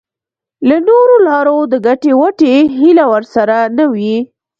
له نورو لارو د ګټې وټې هیله ورسره نه وي.